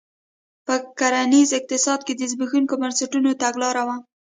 په کرنیز اقتصاد کې د زبېښونکو بنسټونو تګلاره وه.